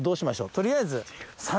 取りあえず。